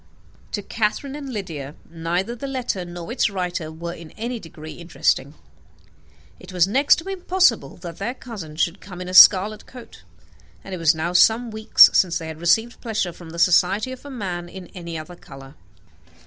To Catherine and Lydia neither the letter nor its writer were in any degree interesting. It was next to impossible that their cousin should come in a scarlet coat, and it was now some weeks since they had received pleasure from the society of a man in any other colour.